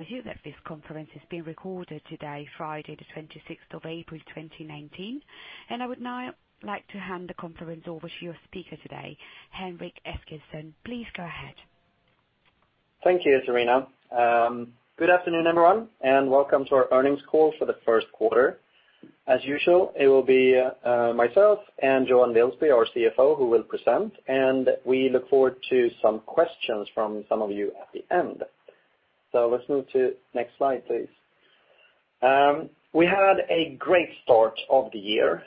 I hear that this conference is being recorded today, Friday the 26th of April, 2019. I would now like to hand the conference over to your speaker today, Henrik Eskilsson. Please go ahead. Thank you, Serena. Good afternoon, everyone, and welcome to our earnings call for the first quarter. As usual, it will be myself and Johan Wilsby, our CFO, who will present, and we look forward to some questions from some of you at the end. Let's move to next slide, please. We had a great start of the year,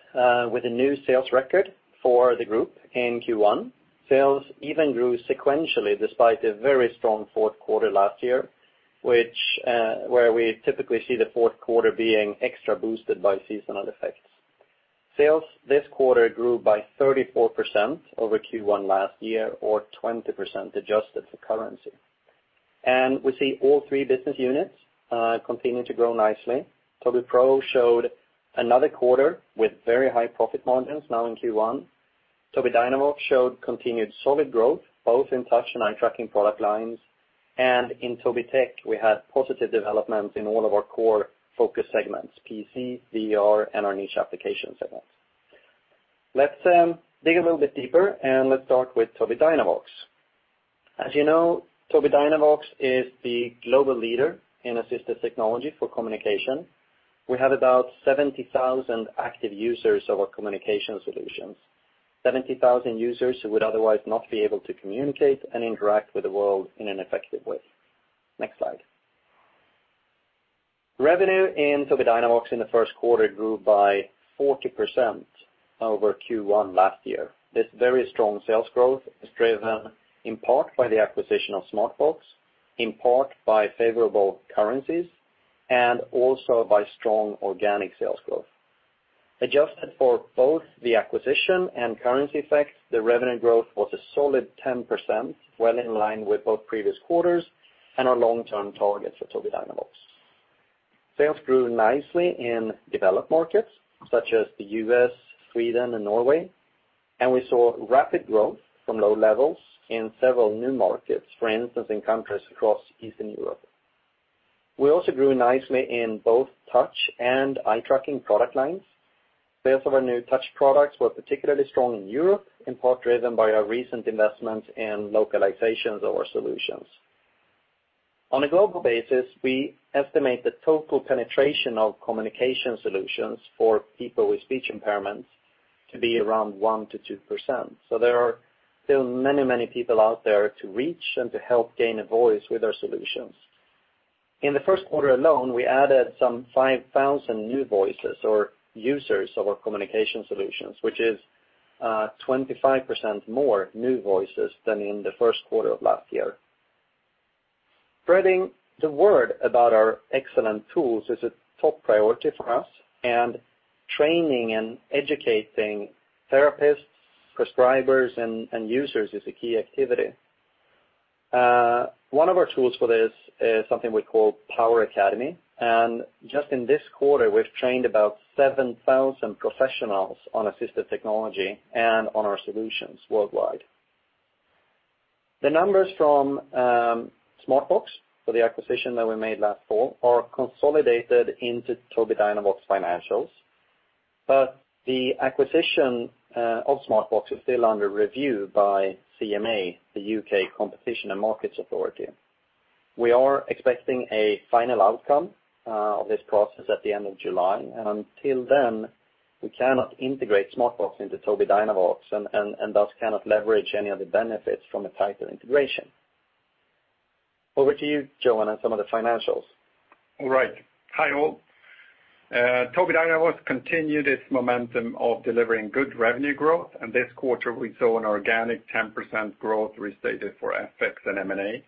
with a new sales record for the group in Q1. Sales even grew sequentially despite a very strong fourth quarter last year, where we typically see the fourth quarter being extra boosted by seasonal effects. Sales this quarter grew by 34% over Q1 last year or 20% adjusted to currency. We see all three business units continuing to grow nicely. Tobii Pro showed another quarter with very high profit margins now in Q1. Tobii Dynavox showed continued solid growth, both in touch and eye-tracking product lines. In Tobii Tech, we had positive development in all of our core focus segments, PC, VR, and our niche application segments. Let's dig a little bit deeper and let's start with Tobii Dynavox. As you know, Tobii Dynavox is the global leader in assistive technology for communication. We have about 70,000 active users of our communication solutions, 70,000 users who would otherwise not be able to communicate and interact with the world in an effective way. Next slide. Revenue in Tobii Dynavox in the first quarter grew by 40% over Q1 last year. This very strong sales growth is driven in part by the acquisition of Smartbox, in part by favorable currencies, and also by strong organic sales growth. Adjusted for both the acquisition and currency effects, the revenue growth was a solid 10%, well in line with both previous quarters and our long-term targets for Tobii Dynavox. Sales grew nicely in developed markets such as the U.S., Sweden, and Norway, and we saw rapid growth from low levels in several new markets, for instance, in countries across Eastern Europe. We also grew nicely in both touch and eye-tracking product lines. Sales of our new touch products were particularly strong in Europe, in part driven by our recent investments in localizations of our solutions. On a global basis, we estimate the total penetration of communication solutions for people with speech impairments to be around 1%-2%. There are still many, many people out there to reach and to help gain a voice with our solutions. In the first quarter alone, we added some 5,000 new voices or users of our communication solutions, which is 25% more new voices than in the first quarter of last year. Spreading the word about our excellent tools is a top priority for us, and training and educating therapists, prescribers, and users is a key activity. One of our tools for this is something we call Power Academy, and just in this quarter, we've trained about 7,000 professionals on assistive technology and on our solutions worldwide. The numbers from Smartbox, for the acquisition that we made last fall, are consolidated into Tobii Dynavox financials. The acquisition of Smartbox is still under review by CMA, the U.K. Competition and Markets Authority. We are expecting a final outcome of this process at the end of July, and until then, we cannot integrate Smartbox into Tobii Dynavox and thus cannot leverage any of the benefits from a tighter integration. Over to you, Johan, and some of the financials. All right. Hi, all. Tobii Dynavox continued its momentum of delivering good revenue growth, and this quarter we saw an organic 10% growth restated for FX and M&A.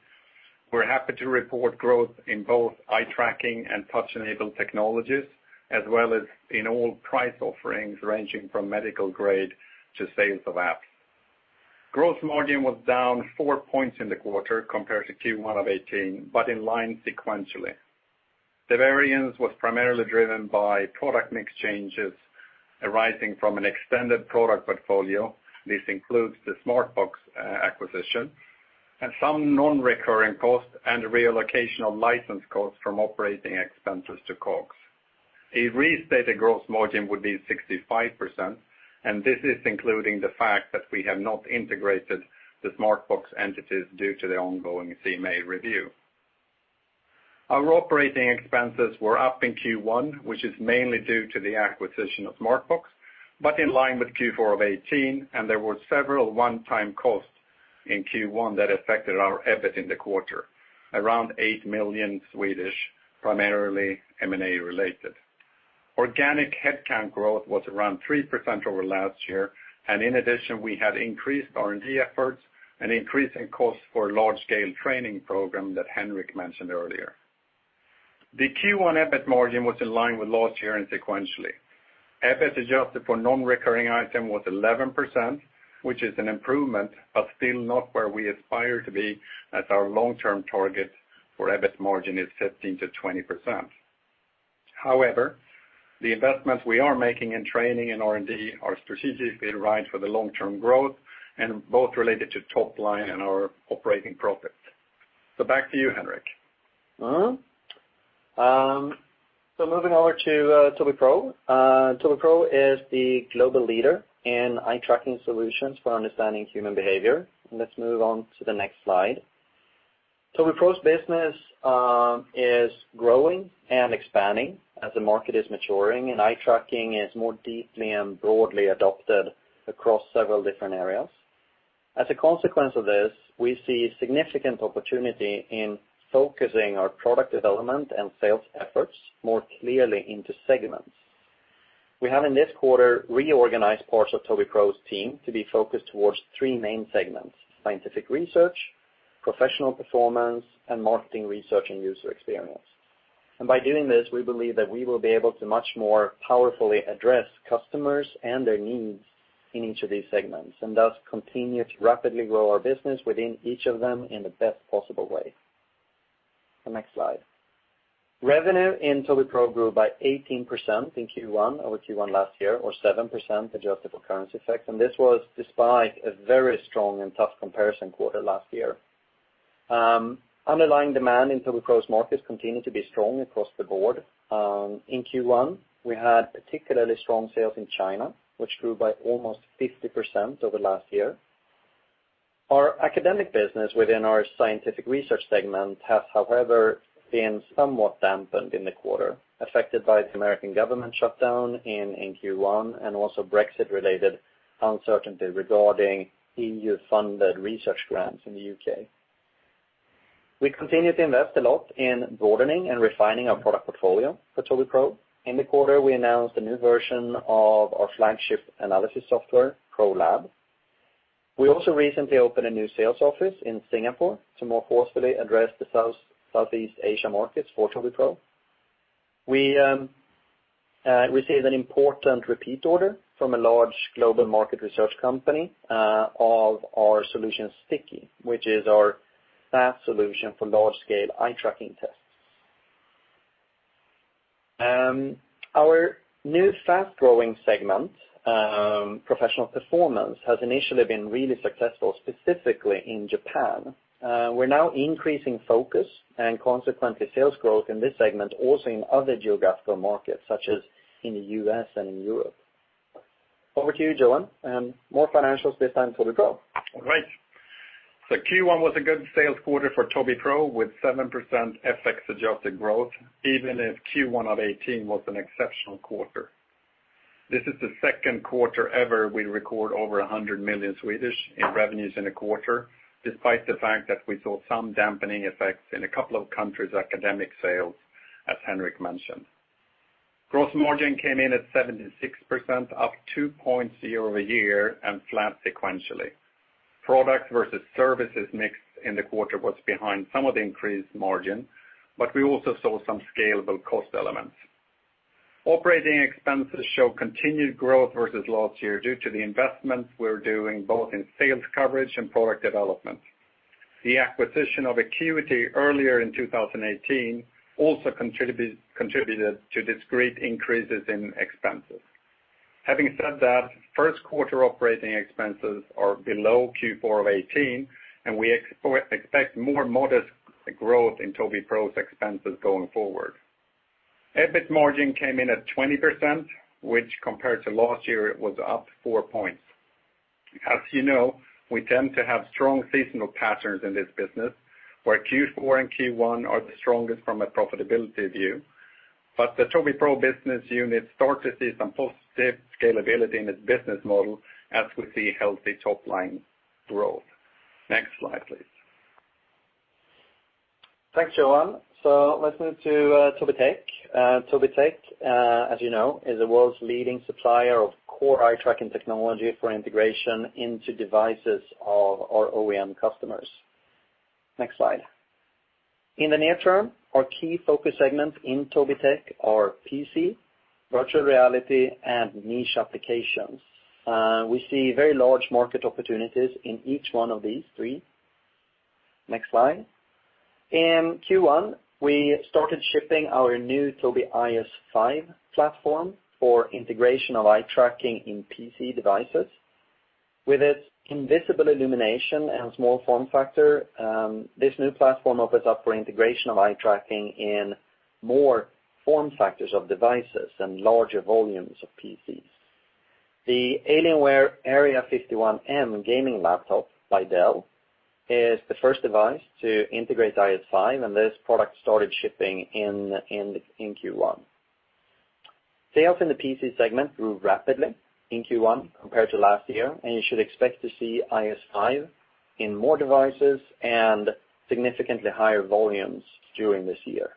We're happy to report growth in both eye-tracking and touch-enabled technologies, as well as in all price offerings ranging from medical grade to sales of apps. Gross margin was down four points in the quarter compared to Q1 of 2018, but in line sequentially. The variance was primarily driven by product mix changes arising from an extended product portfolio. This includes the Smartbox acquisition and some non-recurring costs and reallocation of license costs from operating expenses to COGS. A restated gross margin would be 65%, and this is including the fact that we have not integrated the Smartbox entities due to the ongoing CMA review. Our operating expenses were up in Q1, which is mainly due to the acquisition of Smartbox, but in line with Q4 of 2018, and there were several one-time costs in Q1 that affected our EBIT in the quarter. Around 8 million, primarily M&A related. Organic headcount growth was around 3% over last year, and in addition, we had increased R&D efforts, an increase in cost for a large-scale training program that Henrik mentioned earlier. The Q1 EBIT margin was in line with last year and sequentially. EBIT adjusted for non-recurring item was 11%, which is an improvement, but still not where we aspire to be as our long-term target for EBIT margin is 15%-20%. The investments we are making in training and R&D are strategically right for the long-term growth and both related to top line and our operating profit. Back to you, Henrik. Moving over to Tobii Pro. Tobii Pro is the global leader in eye-tracking solutions for understanding human behavior. Let's move on to the next slide. Tobii Pro's business is growing and expanding as the market is maturing, and eye-tracking is more deeply and broadly adopted across several different areas. As a consequence of this, we see significant opportunity in focusing our product development and sales efforts more clearly into segments. We have, in this quarter, reorganized parts of Tobii Pro's team to be focused towards three main segments, scientific research, professional performance, and marketing research and user experience. By doing this, we believe that we will be able to much more powerfully address customers and their needs in each of these segments, and thus continue to rapidly grow our business within each of them in the best possible way. The next slide. Revenue in Tobii Pro grew by 18% in Q1 over Q1 last year or 7% adjusted for currency effects. This was despite a very strong and tough comparison quarter last year. Underlying demand in Tobii Pro's markets continued to be strong across the board. In Q1, we had particularly strong sales in China, which grew by almost 50% over last year. Our academic business within our scientific research segment has, however, been somewhat dampened in the quarter, affected by the U.S. government shutdown in Q1 and also Brexit-related uncertainty regarding EU-funded research grants in the U.K. We continue to invest a lot in broadening and refining our product portfolio for Tobii Pro. In the quarter, we announced a new version of our flagship analysis software, Pro Lab. We also recently opened a new sales office in Singapore to more forcefully address the Southeast Asia markets for Tobii Pro. We received an important repeat order from a large global market research company of our solution Sticky, which is our SaaS solution for large-scale eye tracking tests. Our new fast-growing segment, professional performance, has initially been really successful, specifically in Japan. We are now increasing focus and consequently sales growth in this segment, also in other geographical markets, such as in the U.S. and in Europe. Over to you, Johan, and more financials, this time Tobii Pro. Great. Q1 was a good sales quarter for Tobii Pro, with 7% FX-adjusted growth, even if Q1 of 2018 was an exceptional quarter. This is the second quarter ever we record over 100 million in revenues in a quarter, despite the fact that we saw some dampening effects in a couple of countries' academic sales, as Henrik mentioned. Gross margin came in at 76%, up two points year-over-year and flat sequentially. Product versus services mix in the quarter was behind some of the increased margin. We also saw some scalable cost elements. Operating expenses show continued growth versus last year due to the investments we are doing both in sales coverage and product development. The acquisition of Acuity Intelligence earlier in 2018 also contributed to these great increases in expenses. Having said that, first quarter operating expenses are below Q4 of 2018. We expect more modest growth in Tobii Pro's expenses going forward. EBIT margin came in at 20%, which compared to last year, it was up four points. As you know, we tend to have strong seasonal patterns in this business, where Q4 and Q1 are the strongest from a profitability view. The Tobii Pro business unit start to see some positive scalability in its business model as we see healthy top-line growth. Next slide, please. Thanks, Johan. Let's move to Tobii Tech. Tobii Tech, as you know, is the world's leading supplier of core eye tracking technology for integration into devices of our OEM customers. Next slide. In the near term, our key focus segments in Tobii Tech are PC, virtual reality, and niche applications. We see very large market opportunities in each one of these three. Next slide. In Q1, we started shipping our new Tobii IS5 platform for integration of eye tracking in PC devices. With its invisible illumination and small form factor, this new platform opens up for integration of eye tracking in more form factors of devices and larger volumes of PCs. The Alienware Area-51m gaming laptop by Dell is the first device to integrate the IS5, and this product started shipping in Q1. Sales in the PC segment grew rapidly in Q1 compared to last year, and you should expect to see IS5 in more devices and significantly higher volumes during this year.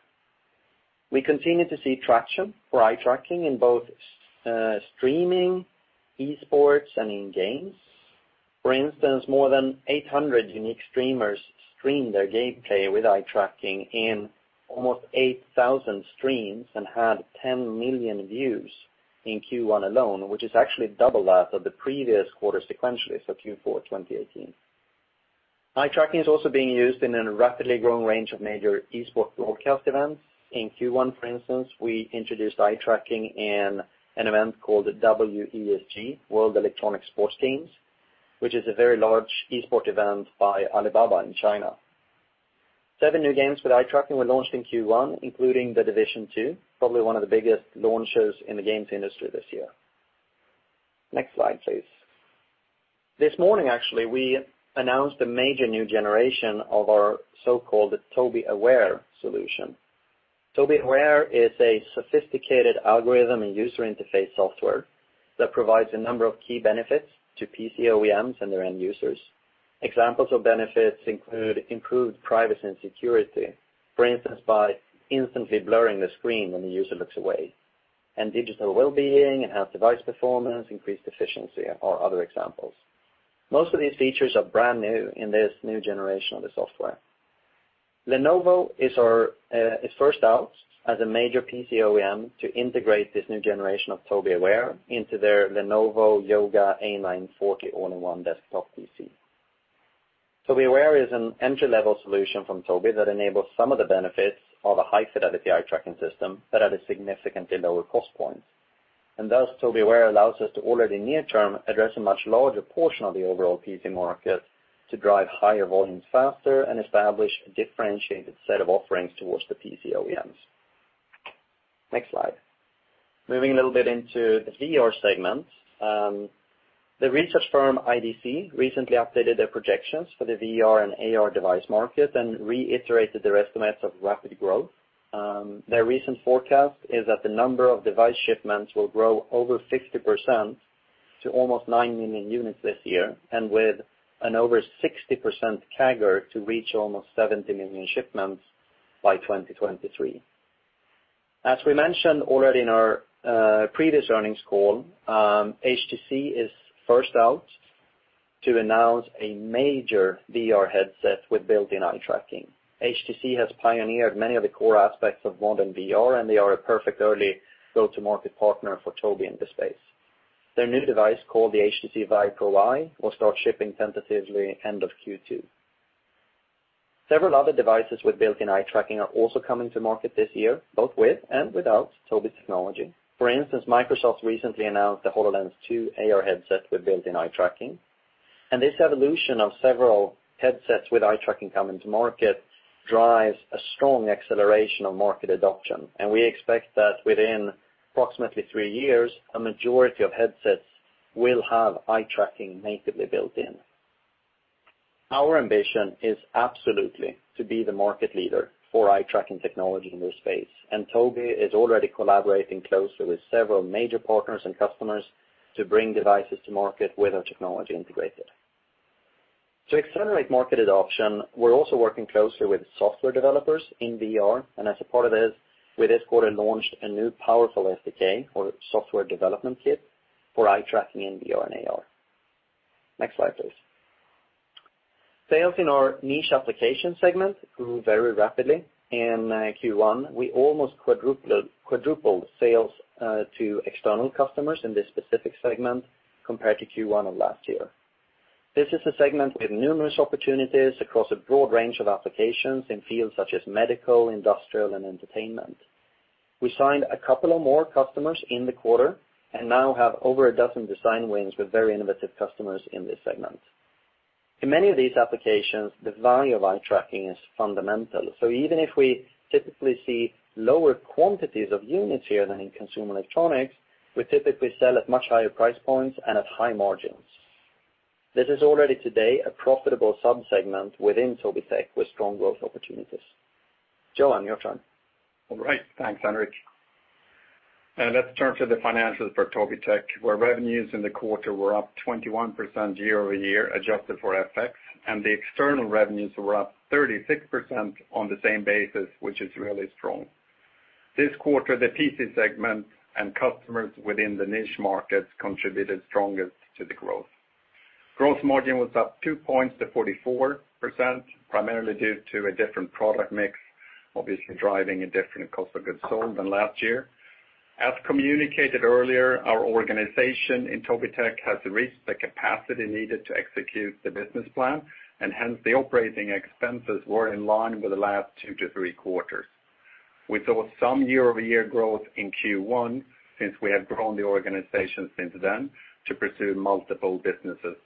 We continue to see traction for eye tracking in both streaming, esports, and in games. For instance, more than 800 unique streamers streamed their gameplay with eye tracking in almost 8,000 streams and had 10 million views in Q1 alone, which is actually double that of the previous quarter sequentially, so Q4 2018. Eye tracking is also being used in a rapidly growing range of major esport broadcast events. In Q1, for instance, we introduced eye tracking in an event called the WESG, World Electronic Sports Games, which is a very large esport event by Alibaba in China. Seven new games with eye tracking were launched in Q1, including "The Division 2," probably one of the biggest launches in the games industry this year. Next slide, please. This morning, actually, we announced a major new generation of our so-called Tobii Aware solution. Tobii Aware is a sophisticated algorithm and user interface software that provides a number of key benefits to PC OEMs and their end users. Examples of benefits include improved privacy and security, for instance, by instantly blurring the screen when the user looks away. Digital wellbeing, enhanced device performance, increased efficiency are other examples. Most of these features are brand new in this new generation of the software. Lenovo is first out as a major PC OEM to integrate this new generation of Tobii Aware into their Lenovo Yoga A940 all-in-one desktop PC. Tobii Aware is an entry-level solution from Tobii that enables some of the benefits of a high fidelity eye tracking system, but at a significantly lower cost point. Thus, Tobii Aware allows us to already near term, address a much larger portion of the overall PC market to drive higher volumes faster and establish a differentiated set of offerings towards the PC OEMs. Next slide. Moving a little bit into the VR segment. The research firm IDC recently updated their projections for the VR and AR device market and reiterated their estimates of rapid growth. Their recent forecast is that the number of device shipments will grow over 50% to almost nine million units this year, and with an over 60% CAGR to reach almost 70 million shipments by 2023. As we mentioned already in our previous earnings call, HTC is first out to announce a major VR headset with built-in eye tracking. HTC has pioneered many of the core aspects of modern VR, and they are a perfect early go-to-market partner for Tobii in this space. Their new device, called the HTC VIVE Pro Eye, will start shipping tentatively end of Q2. Several other devices with built-in eye tracking are also coming to market this year, both with and without Tobii's technology. For instance, Microsoft recently announced the HoloLens 2 AR headset with built-in eye tracking. This evolution of several headsets with eye tracking coming to market drives a strong acceleration of market adoption, and we expect that within approximately three years, a majority of headsets will have eye tracking natively built in. Our ambition is absolutely to be the market leader for eye tracking technology in this space, and Tobii is already collaborating closely with several major partners and customers to bring devices to market with our technology integrated. To accelerate market adoption, we're also working closely with software developers in VR, and as a part of this, we this quarter launched a new powerful SDK or software development kit for eye tracking in VR and AR. Next slide, please. Sales in our niche application segment grew very rapidly in Q1. We almost quadrupled sales to external customers in this specific segment compared to Q1 of last year. This is a segment with numerous opportunities across a broad range of applications in fields such as medical, industrial, and entertainment. We signed a couple of more customers in the quarter and now have over a dozen design wins with very innovative customers in this segment. In many of these applications, the value of eye tracking is fundamental. Even if we typically see lower quantities of units here than in consumer electronics, we typically sell at much higher price points and at high margins. This is already today a profitable sub-segment within Tobii Tech with strong growth opportunities. Johan, your turn. All right. Thanks, Henrik. Let's turn to the financials for Tobii Tech, where revenues in the quarter were up 21% year-over-year, adjusted for FX, and the external revenues were up 36% on the same basis, which is really strong. This quarter, the PC segment and customers within the niche markets contributed strongest to the growth. Gross margin was up two points to 44%, primarily due to a different product mix, obviously driving a different cost of goods sold than last year. As communicated earlier, our organization in Tobii Tech has reached the capacity needed to execute the business plan, and hence the operating expenses were in line with the last two to three quarters. We saw some year-over-year growth in Q1, since we have grown the organization since then to pursue multiple businesses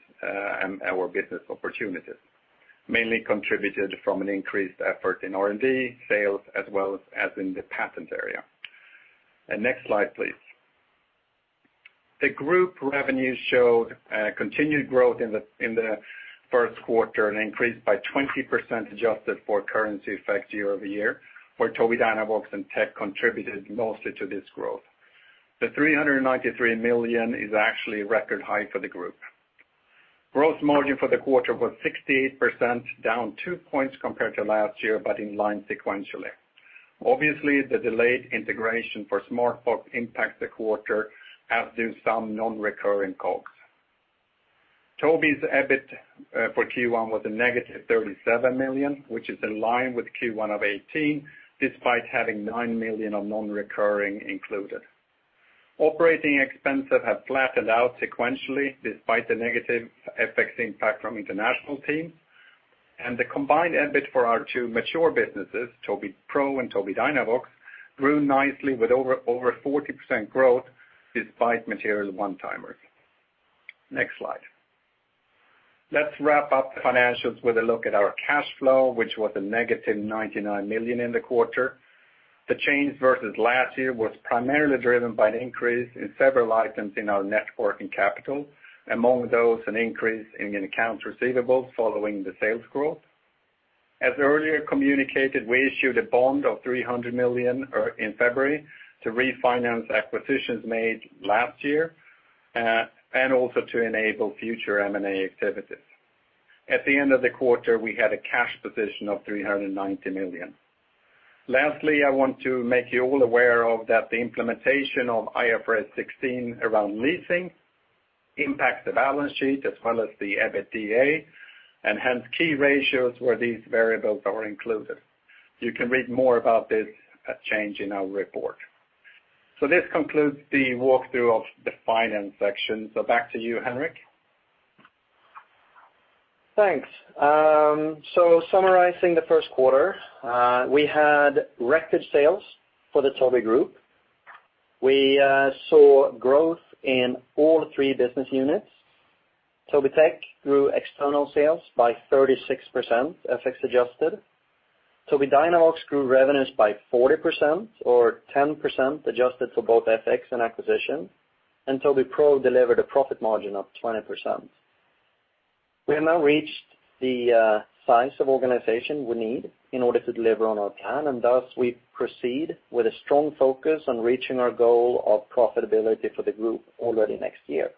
and our business opportunities, mainly contributed from an increased effort in R&D, sales, as well as in the patent area. Next slide, please. The group revenues showed continued growth in the first quarter, an increase by 20% adjusted for currency effect year-over-year, where Tobii Dynavox and Tobii Tech contributed mostly to this growth. The 393 million is actually a record high for the group. Gross margin for the quarter was 68%, down two points compared to last year, but in line sequentially. Obviously, the delayed integration for Smartbox impacts the quarter, as do some non-recurring costs. Tobii's EBIT for Q1 was a negative 37 million, which is in line with Q1 of 2018, despite having 9 million of non-recurring included. Operating expenses have flattened out sequentially despite the negative FX impact from international team. The combined EBIT for our two mature businesses, Tobii Pro and Tobii Dynavox, grew nicely with over 40% growth despite material one-timers. Next slide. Let's wrap up the financials with a look at our cash flow, which was a negative 99 million in the quarter. The change versus last year was primarily driven by an increase in several items in our net working capital. Among those, an increase in accounts receivables following the sales growth. As earlier communicated, we issued a bond of 300 million in February to refinance acquisitions made last year, and also to enable future M&A activities. At the end of the quarter, we had a cash position of 390 million. Lastly, I want to make you all aware of that the implementation of IFRS 16 around leasing impacts the balance sheet as well as the EBITDA, and hence key ratios where these variables are included. You can read more about this change in our report. This concludes the walkthrough of the finance section. Back to you, Henrik. Thanks. Summarizing the first quarter, we had record sales for the Tobii group. We saw growth in all three business units. Tobii Tech grew external sales by 36%, FX adjusted. Tobii Dynavox grew revenues by 40%, or 10% adjusted for both FX and acquisition. Tobii Pro delivered a profit margin of 20%. We have now reached the size of organization we need in order to deliver on our plan, thus we proceed with a strong focus on reaching our goal of profitability for the group already next year.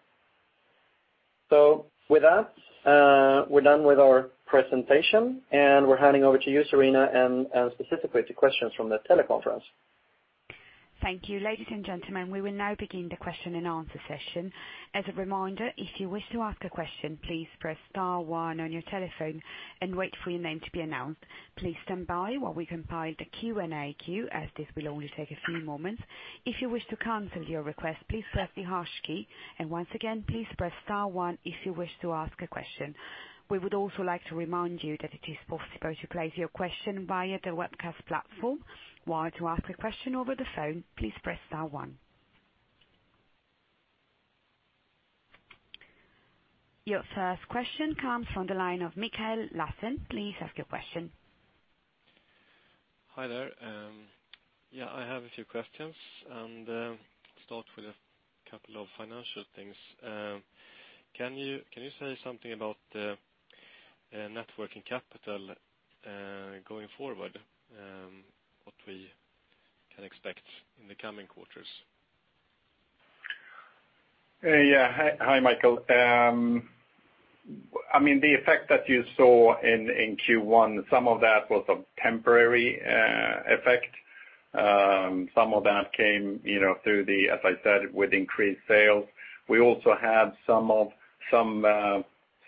With that, we're done with our presentation, we're handing over to you, Serena, and specifically to questions from the teleconference. Thank you. Ladies and gentlemen, we will now begin the question and answer session. As a reminder, if you wish to ask a question, please press star one on your telephone and wait for your name to be announced. Please stand by while we compile the Q&A queue, as this will only take a few moments. If you wish to cancel your request, please press the hash key. Once again, please press star one if you wish to ask a question. We would also like to remind you that it is possible to place your question via the webcast platform. While to ask a question over the phone, please press star one. Your first question comes from the line of Mikael Larsson. Please ask your question. Hi there. Yeah, I have a few questions, and start with a couple of financial things. Can you say something about the net working capital, going forward, what we can expect in the coming quarters? Yeah. Hi, Mikael. The effect that you saw in Q1, some of that was a temporary effect. Some of that came through the, as I said, with increased sales. We also had some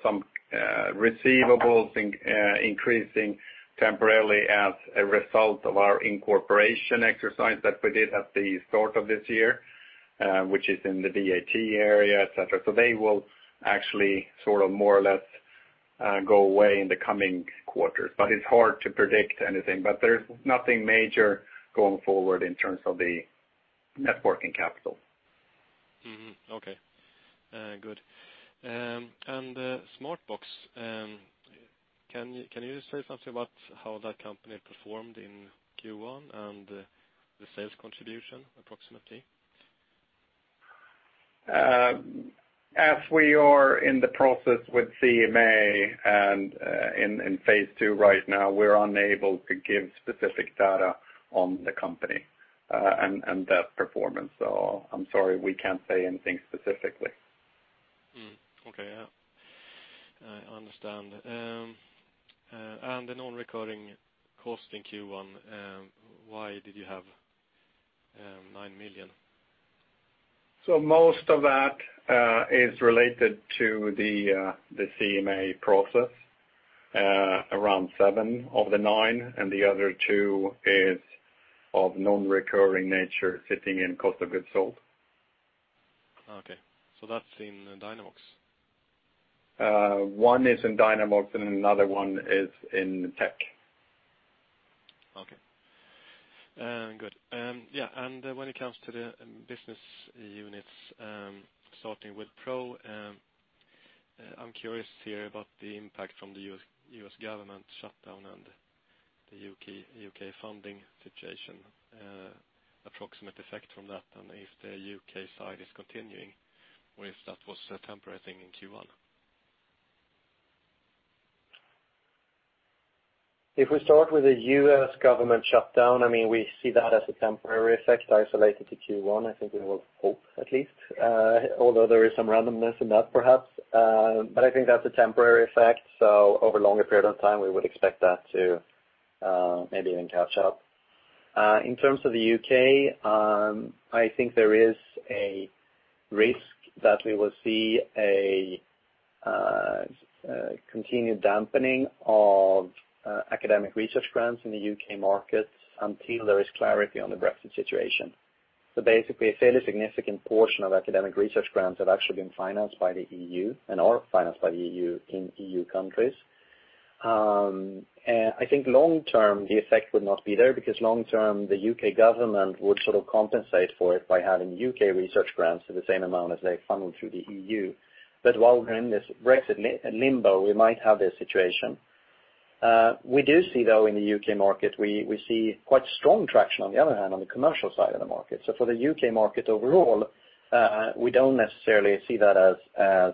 receivables increasing temporarily as a result of our incorporation exercise that we did at the start of this year, which is in the VAT area, et cetera. They will actually more or less go away in the coming quarters, it's hard to predict anything. There's nothing major going forward in terms of the net working capital. Mm-hmm. Okay. Good. Smartbox, can you say something about how that company performed in Q1 and the sales contribution, approximately? I'm sorry, we are in the process with CMA and in phase 2 right now, we are unable to give specific data on the company and that performance. I'm sorry, we cannot say anything specifically. Okay. Yeah. I understand. The non-recurring cost in Q1, why did you have 9 million? Most of that is related to the CMA process, around 7 of the 9, and the other 2 is of non-recurring nature sitting in cost of goods sold. Okay. That is in Dynavox? One is in Dynavox and another one is in Tech. Okay. Good. When it comes to the business units, starting with Pro, I'm curious here about the impact from the U.S. government shutdown and the U.K. funding situation, approximate effect from that, and if the U.K. side is continuing or if that was a temporary thing in Q1. If we start with the U.S. government shutdown, we see that as a temporary effect isolated to Q1. I think we would hope, at least. Although there is some randomness in that perhaps. I think that's a temporary effect, so over a longer period of time, we would expect that to maybe even catch up. In terms of the U.K., I think there is a risk that we will see a continued dampening of academic research grants in the U.K. markets until there is clarity on the Brexit situation. Basically, a fairly significant portion of academic research grants have actually been financed by the EU and are financed by the EU in EU countries. I think long-term, the effect would not be there because long-term, the U.K. government would sort of compensate for it by having U.K. research grants to the same amount as they funneled through the EU. While we're in this Brexit limbo, we might have this situation. We do see, though, in the U.K. market, we see quite strong traction on the other hand, on the commercial side of the market. For the U.K. market overall, we don't necessarily see that as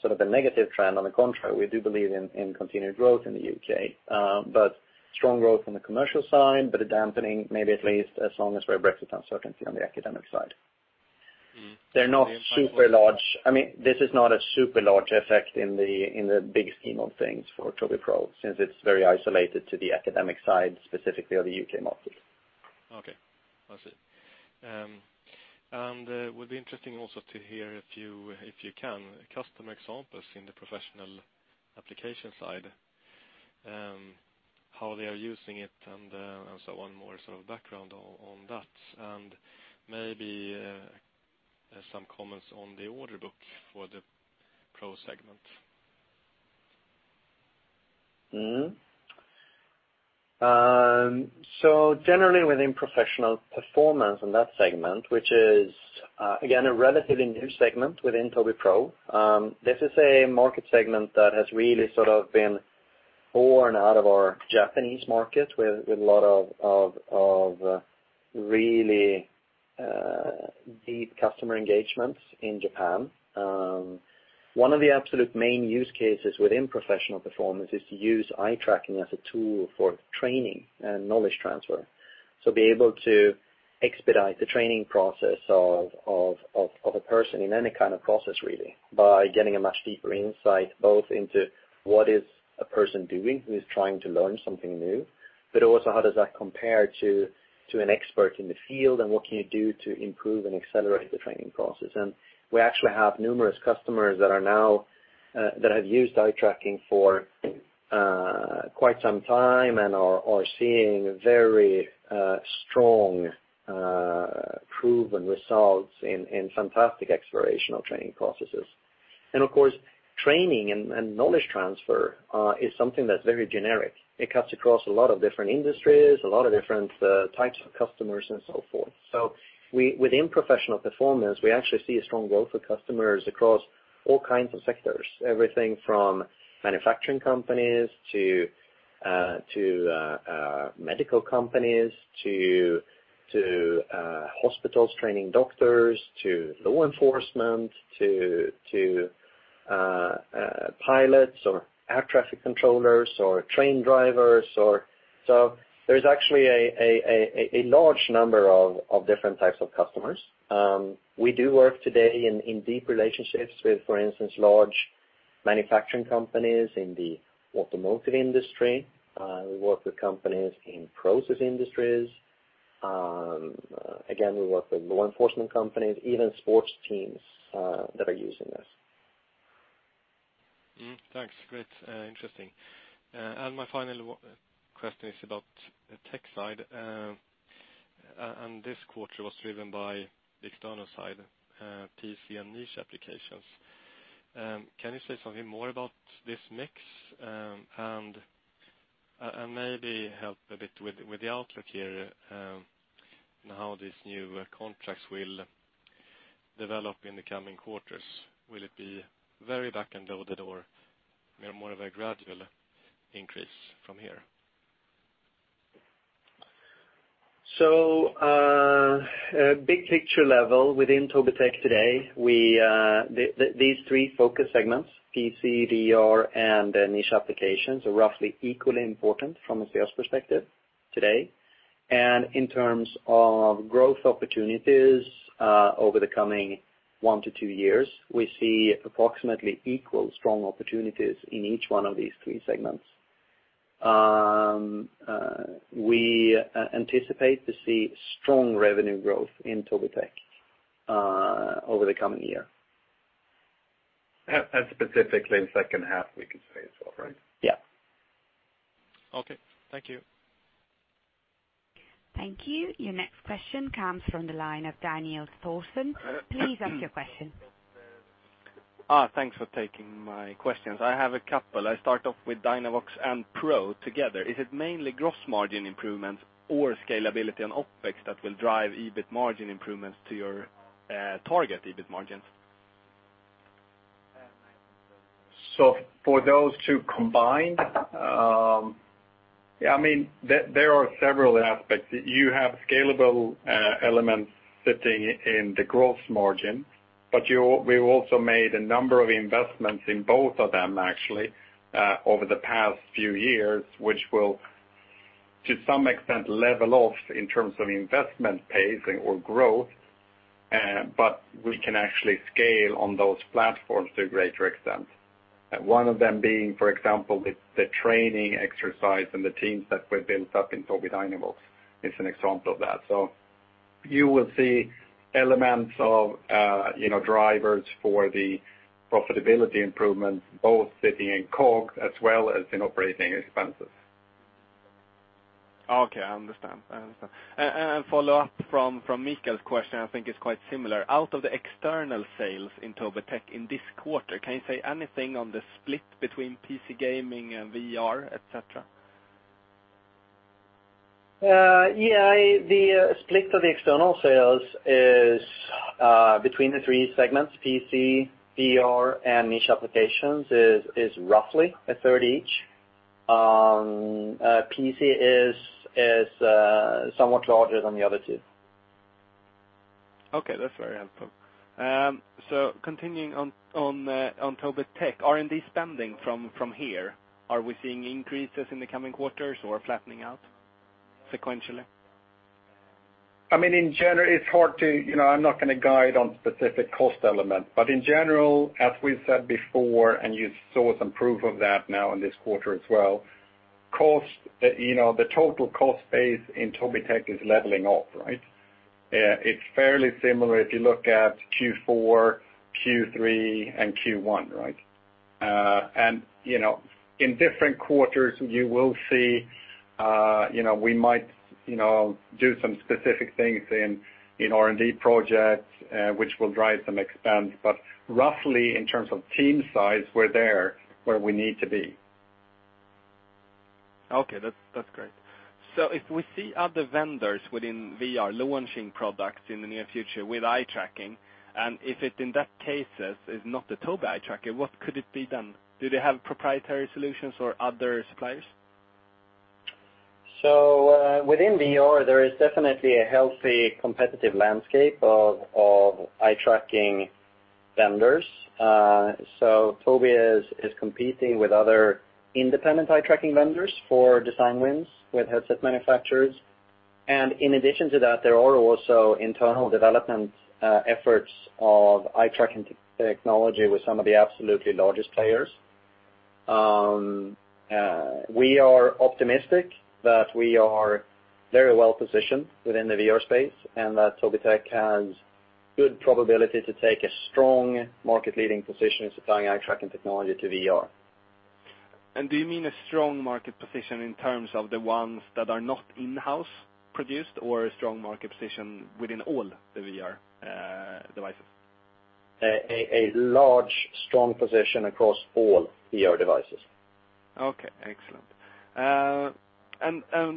sort of a negative trend. On the contrary, we do believe in continued growth in the U.K., but strong growth on the commercial side, but a dampening, maybe at least as long as there's Brexit uncertainty on the academic side. They're not super large. This is not a super large effect in the big scheme of things for Tobii Pro, since it's very isolated to the academic side, specifically of the U.K. market. Okay. I see. It would be interesting also to hear, if you can, customer examples in the professional application side, how they are using it, and so on, more sort of background on that. Maybe some comments on the order book for the Pro segment. Generally within Professional Performance in that segment, which is, again, a relatively new segment within Tobii Pro. This is a market segment that has really sort of been born out of our Japanese market with a lot of really deep customer engagements in Japan. One of the absolute main use cases within Professional Performance is to use eye tracking as a tool for training and knowledge transfer. Be able to expedite the training process of a person in any kind of process, really, by getting a much deeper insight both into what is a person doing who is trying to learn something new, but also how does that compare to an expert in the field, and what can you do to improve and accelerate the training process? We actually have numerous customers that have used eye tracking for quite some time and are seeing very strong proven results in fantastic explorational training processes. Of course, training and knowledge transfer is something that's very generic. It cuts across a lot of different industries, a lot of different types of customers, and so forth. Within Professional Performance, we actually see a strong growth of customers across all kinds of sectors. Everything from manufacturing companies to medical companies to hospitals training doctors to law enforcement to pilots or air traffic controllers or train drivers. There's actually a large number of different types of customers. We do work today in deep relationships with, for instance, large manufacturing companies in the automotive industry. We work with companies in process industries. Again, we work with law enforcement companies, even sports teams that are using this. Thanks. Great. Interesting. My final question is about the tech side. This quarter was driven by the external side, PC and niche applications. Can you say something more about this mix? Maybe help a bit with the outlook here, and how these new contracts will develop in the coming quarters. Will it be very back-ended, or more of a gradual increase from here? Big picture level within Tobii Tech today, these 3 focus segments, PC, VR, and niche applications, are roughly equally important from a sales perspective today. In terms of growth opportunities over the coming 1 to 2 years, we see approximately equal strong opportunities in each one of these 3 segments. We anticipate to see strong revenue growth in Tobii Tech over the coming year. Specifically in second half, we could say as well, right? Yeah. Okay. Thank you. Thank you. Your next question comes from the line of Daniel Thorson. Please ask your question. Thanks for taking my questions. I have a couple. I start off with Dynavox and Pro together. Is it mainly gross margin improvements or scalability and OpEx that will drive EBIT margin improvements to your target EBIT margins? For those two combined, there are several aspects. You have scalable elements sitting in the gross margin, but we've also made a number of investments in both of them actually over the past few years, which will, to some extent, level off in terms of investment pacing or growth, but we can actually scale on those platforms to a greater extent One of them being, for example, the training exercise and the teams that we've built up in Tobii Dynavox is an example of that. You will see elements of drivers for the profitability improvements, both sitting in COGS as well as in operating expenses. Okay, I understand. A follow-up from Mikael's question, I think it's quite similar. Out of the external sales in Tobii Tech in this quarter, can you say anything on the split between PC gaming and VR, et cetera? Yeah. The split of the external sales between the three segments, PC, VR, and niche applications, is roughly a third each. PC is somewhat larger than the other two. Okay, that's very helpful. Continuing on Tobii Tech, R&D spending from here, are we seeing increases in the coming quarters or flattening out sequentially? I'm not going to guide on specific cost elements. In general, as we've said before, and you saw some proof of that now in this quarter as well, the total cost base in Tobii Tech is leveling off, right? It's fairly similar if you look at Q4, Q3, and Q1. In different quarters, you will see we might do some specific things in R&D projects, which will drive some expense. Roughly, in terms of team size, we're there where we need to be. Okay, that's great. If we see other vendors within VR launching products in the near future with eye tracking, and if it, in that case, is not the Tobii eye tracker, what could it be then? Do they have proprietary solutions or other suppliers? Within VR, there is definitely a healthy competitive landscape of eye-tracking vendors. Tobii is competing with other independent eye-tracking vendors for design wins with headset manufacturers. In addition to that, there are also internal development efforts of eye-tracking technology with some of the absolutely largest players. We are optimistic that we are very well-positioned within the VR space, and that Tobii Tech has good probability to take a strong market-leading position in supplying eye-tracking technology to VR. Do you mean a strong market position in terms of the ones that are not in-house produced or a strong market position within all the VR devices? A large, strong position across all VR devices. Okay, excellent.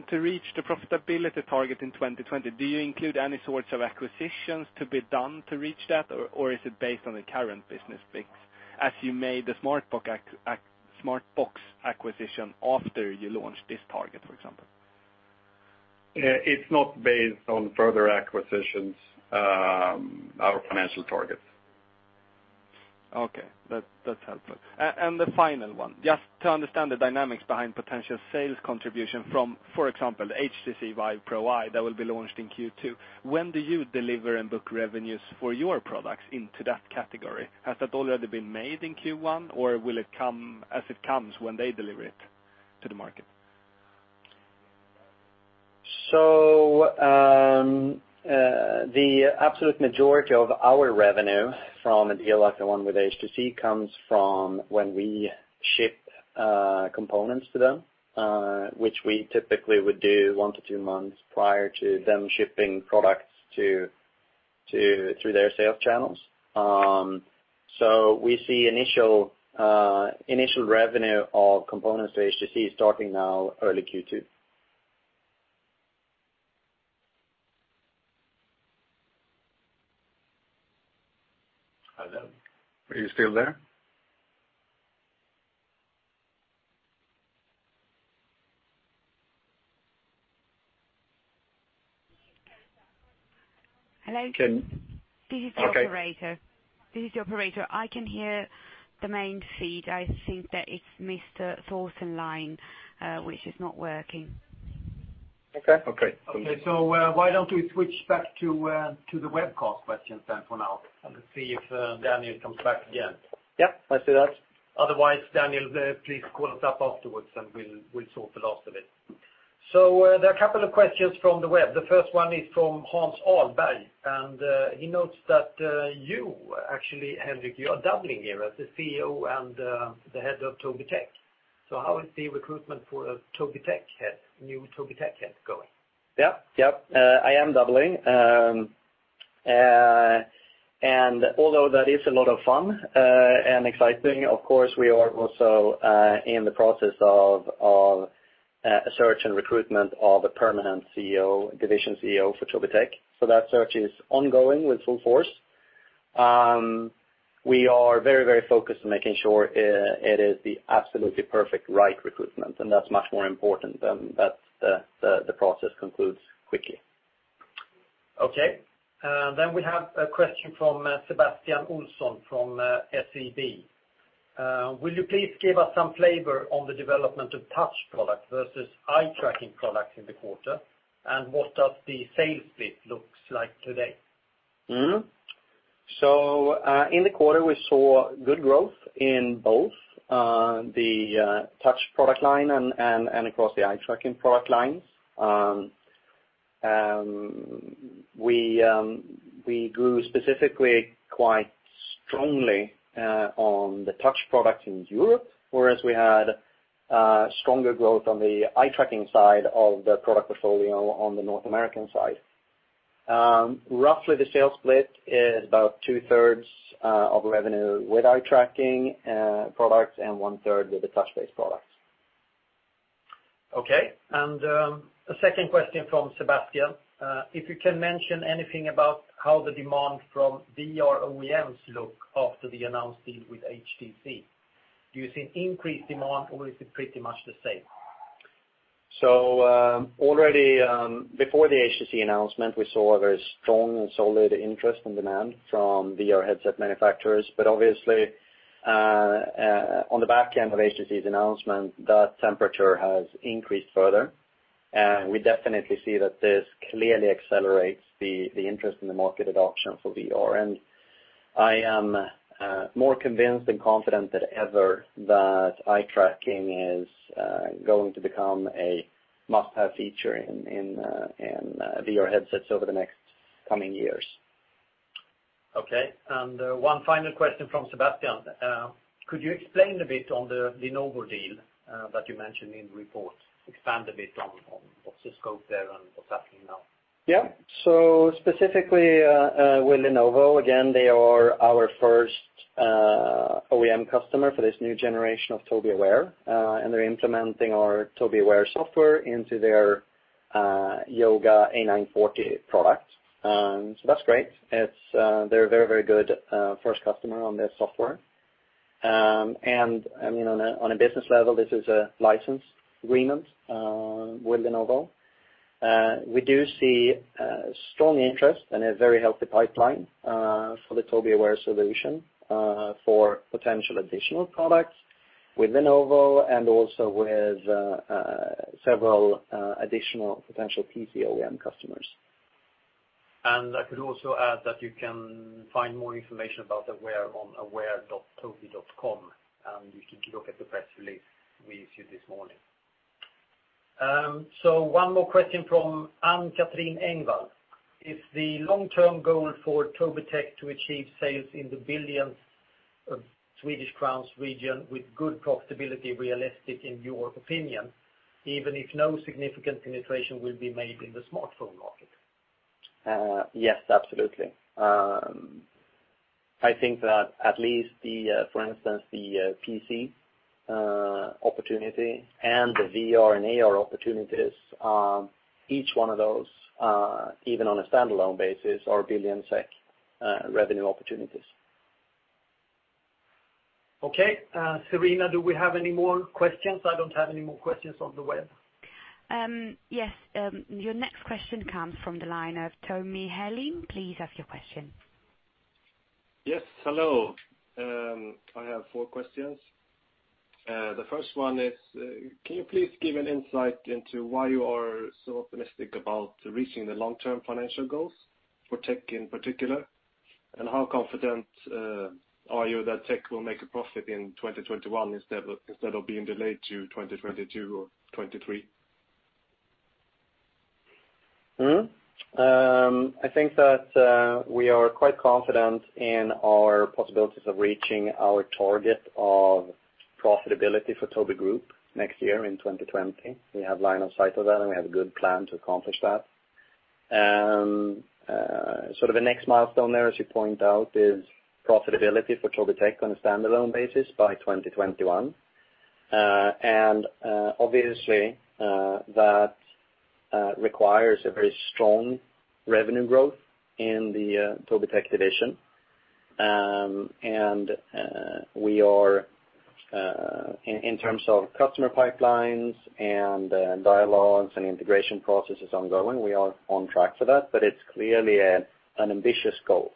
To reach the profitability target in 2020, do you include any sorts of acquisitions to be done to reach that, or is it based on the current business mix, as you made the Smartbox acquisition after you launched this target, for example? It's not based on further acquisitions, our financial targets. Okay. That's helpful. The final one, just to understand the dynamics behind potential sales contribution from, for example, the HTC VIVE Pro Eye that will be launched in Q2. When do you deliver and book revenues for your products into that category? Has that already been made in Q1, or will it come as it comes when they deliver it to the market? The absolute majority of our revenue from a deal like the one with HTC comes from when we ship components to them, which we typically would do one to two months prior to them shipping products through their sales channels. We see initial revenue of components to HTC starting now early Q2. Hello? Are you still there? Hello? Can- This is the operator. Okay. This is the operator. I can hear the main feed. I think that it's Mr. Thorson line which is not working. Okay. Okay. Okay. Why don't we switch back to the webcast questions then for now and see if Daniel comes back again. Yep, let's do that. Otherwise, Daniel, please call us up afterwards and we'll sort the last of it. There are a couple of questions from the web. The first one is from Hans Ahlberg, and he notes that you actually, Henrik, you are doubling here as the CEO and the head of Tobii Tech. How is the recruitment for a new Tobii Tech head going? Yep. I am doubling. Although that is a lot of fun and exciting, of course, we are also in the process of a search and recruitment of a permanent division CEO for Tobii Tech. That search is ongoing with full force. We are very focused on making sure it is the absolutely perfect right recruitment, and that is much more important than that the process concludes quickly. Okay. We have a question from Sebastian Olsson from SEB. Will you please give us some flavor on the development of touch products versus eye-tracking products in the quarter, and what does the sales split look like today? In the quarter, we saw good growth in both the touch product line and across the eye-tracking product lines. We grew specifically quite strongly on the touch product in Europe, whereas we had stronger growth on the eye-tracking side of the product portfolio on the North American side. Roughly, the sales split is about two-thirds of revenue with eye-tracking products and one-third with the touch-based products. Okay. A second question from Sebastian. If you can mention anything about how the demand from VR OEMs look after the announced deal with HTC. Do you see increased demand, or is it pretty much the same? Before the HTC announcement, we saw a very strong and solid interest and demand from VR headset manufacturers. Obviously, on the back end of HTC's announcement, that temperature has increased further. We definitely see that this clearly accelerates the interest in the market adoption for VR. I am more convinced and confident than ever that eye-tracking is going to become a must-have feature in VR headsets over the next coming years. Okay. One final question from Sebastian. Could you explain a bit on the Lenovo deal that you mentioned in the report? Expand a bit on what's the scope there and what's happening now. Yeah. Specifically, with Lenovo, again, they are our first OEM customer for this new generation of Tobii Aware, and they're implementing our Tobii Aware software into their Yoga A940 product. That's great. They're a very good first customer on this software. On a business level, this is a license agreement with Lenovo. We do see strong interest and a very healthy pipeline for the Tobii Aware solution for potential additional products with Lenovo and also with several additional potential PC OEM customers. I could also add that you can find more information about Aware on aware.tobii.com, you can look at the press release we issued this morning. One more question from Ann-Katrin Engvall. Is the long-term goal for Tobii Tech to achieve sales in the billions of SEK region with good profitability realistic in your opinion, even if no significant penetration will be made in the smartphone market? Yes, absolutely. I think that at least for instance, the PC opportunity and the VR and AR opportunities, each one of those, even on a standalone basis, are billion SEK revenue opportunities. Okay. Serena, do we have any more questions? I don't have any more questions on the web. Yes. Your next question comes from the line of Tommy Hellström. Please ask your question. Yes, hello. I have four questions. The first one is, can you please give an insight into why you are so optimistic about reaching the long-term financial goals for Tech in particular? How confident are you that Tech will make a profit in 2021 instead of being delayed to 2022 or 2023? I think that we are quite confident in our possibilities of reaching our target of profitability for Tobii Group next year in 2020. We have line of sight of that, and we have a good plan to accomplish that. Sort of a next milestone there, as you point out, is profitability for Tobii Tech on a standalone basis by 2021. Obviously, that requires a very strong revenue growth in the Tobii Tech division. In terms of customer pipelines and dialogues and integration processes ongoing, we are on track for that, but it's clearly an ambitious goal.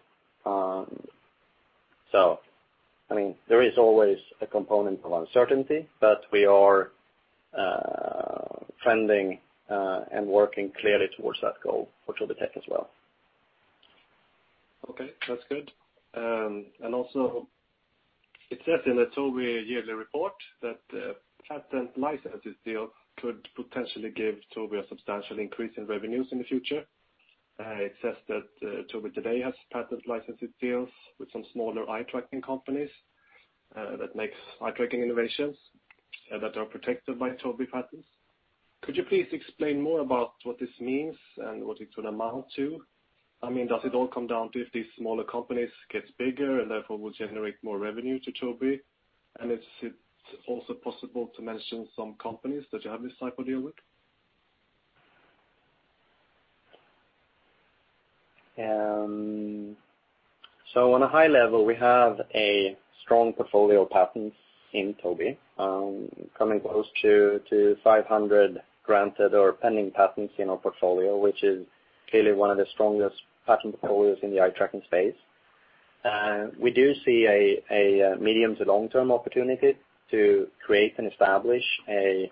There is always a component of uncertainty, but we are trending and working clearly towards that goal for Tobii Tech as well. Okay, that's good. Also, it says in the Tobii yearly report that a patent licenses deal could potentially give Tobii a substantial increase in revenues in the future. It says that Tobii today has patent licenses deals with some smaller eye-tracking companies that makes eye-tracking innovations that are protected by Tobii patents. Could you please explain more about what this means and what it would amount to? Does it all come down to if these smaller companies gets bigger and therefore will generate more revenue to Tobii? Is it also possible to mention some companies that you have this type of deal with? On a high level, we have a strong portfolio of patents in Tobii, coming close to 500 granted or pending patents in our portfolio, which is clearly one of the strongest patent portfolios in the eye-tracking space. We do see a medium to long-term opportunity to create and establish a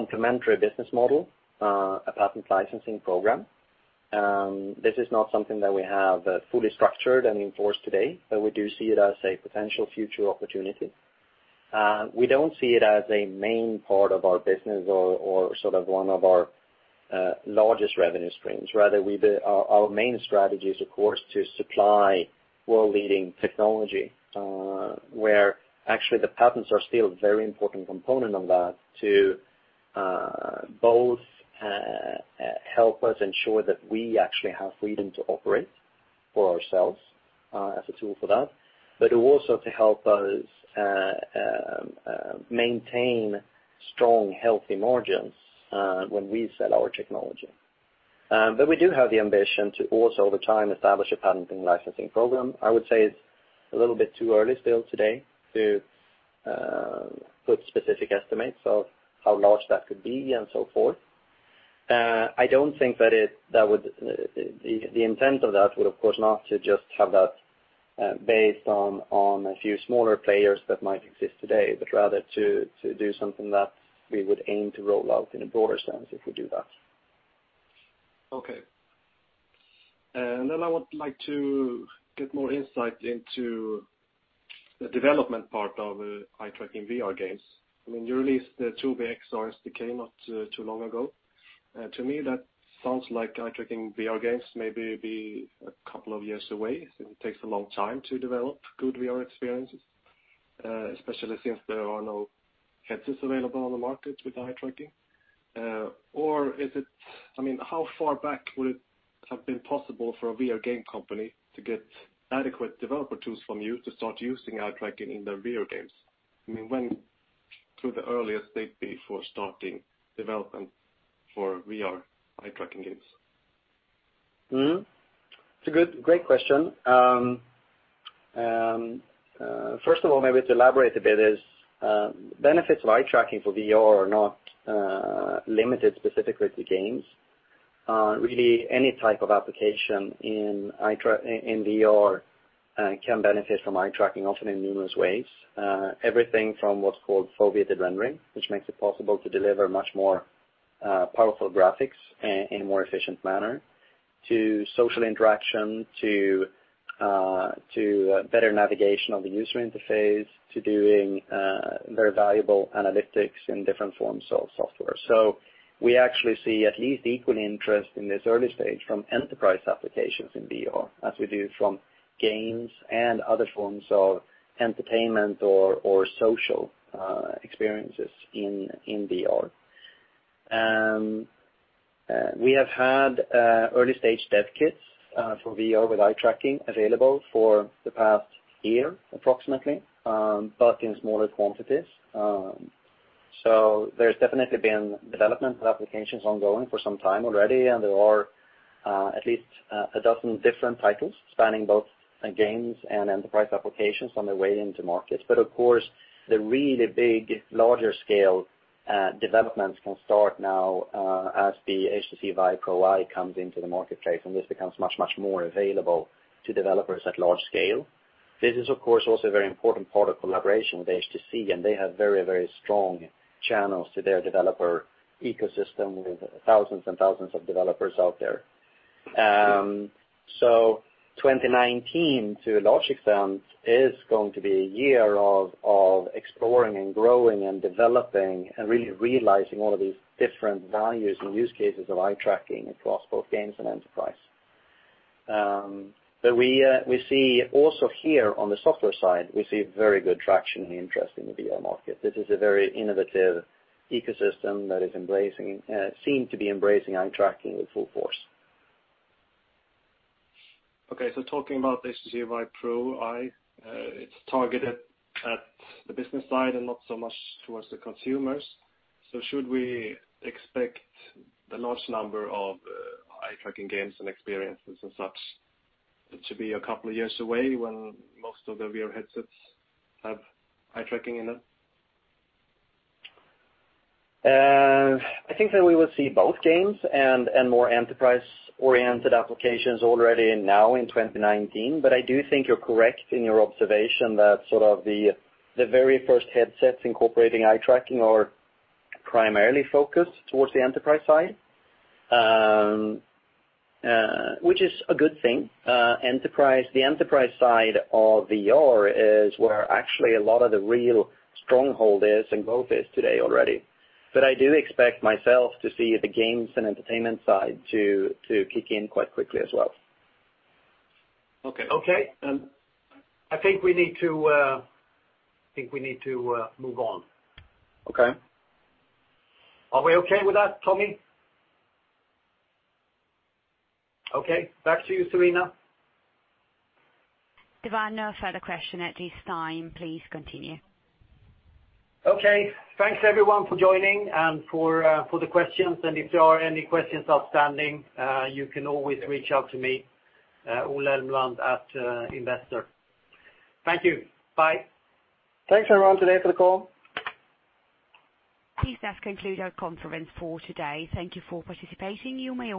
complementary business model, a patent licensing program. This is not something that we have fully structured and enforced today, but we do see it as a potential future opportunity. We don't see it as a main part of our business or one of our largest revenue streams. Rather, our main strategy is, of course, to supply world-leading technology, where actually the patents are still a very important component of that to both help us ensure that we actually have freedom to operate for ourselves as a tool for that, but also to help us maintain strong, healthy margins when we sell our technology. We do have the ambition to also, over time, establish a patent and licensing program. I would say it's a little bit too early still today to put specific estimates of how large that could be and so forth. The intent of that would, of course, not to just have that based on a few smaller players that might exist today, but rather to do something that we would aim to roll out in a broader sense if we do that. Okay. I would like to get more insight into the development part of eye-tracking VR games. You released the Tobii XR SDK not too long ago. To me, that sounds like eye-tracking VR games may be a couple of years away, since it takes a long time to develop good VR experiences, especially since there are no headsets available on the market with eye tracking. How far back would it have been possible for a VR game company to get adequate developer tools from you to start using eye tracking in their VR games? When could the earliest date be for starting development for VR eye-tracking games? It's a great question. First of all, maybe to elaborate a bit, is benefits of eye tracking for VR are not limited specifically to games. Really any type of application in VR can benefit from eye tracking, often in numerous ways. Everything from what's called foveated rendering, which makes it possible to deliver much more powerful graphics in a more efficient manner, to social interaction, to better navigation of the user interface, to doing very valuable analytics in different forms of software. We actually see at least equal interest in this early stage from enterprise applications in VR, as we do from games and other forms of entertainment or social experiences in VR. We have had early-stage dev kits for VR with eye tracking available for the past year, approximately, but in smaller quantities. There's definitely been development of applications ongoing for some time already, and there are at least a dozen different titles spanning both games and enterprise applications on their way into market. Of course, the really big, larger scale developments can start now as the HTC VIVE Pro Eye comes into the marketplace, and this becomes much more available to developers at large scale. This is, of course, also a very important part of collaboration with HTC, and they have very strong channels to their developer ecosystem, with thousands of developers out there. 2019, to a large extent, is going to be a year of exploring and growing and developing and really realizing all of these different values and use cases of eye tracking across both games and enterprise. We see also here on the software side, we see very good traction and interest in the VR market. This is a very innovative ecosystem that seemed to be embracing eye tracking with full force. Talking about HTC VIVE Pro Eye, it's targeted at the business side and not so much towards the consumers. Should we expect the large number of eye-tracking games and experiences and such to be a couple of years away when most of the VR headsets have eye tracking in them? I think that we will see both games and more enterprise-oriented applications already now in 2019. I do think you're correct in your observation that the very first headsets incorporating eye tracking are primarily focused towards the enterprise side, which is a good thing. The enterprise side of VR is where actually a lot of the real stronghold is and growth is today already. I do expect myself to see the games and entertainment side to kick in quite quickly as well. Okay. Okay. I think we need to move on. Okay. Are we okay with that, Tommy? Okay, back to you, Serena. There are no further questions at this time. Please continue. Okay. Thanks everyone for joining and for the questions. If there are any questions outstanding, you can always reach out to me, Ola Elmeland at Investor Relations. Thank you. Bye. Thanks everyone today for the call. Please, that concludes our conference for today. Thank you for participating. You may disconnect.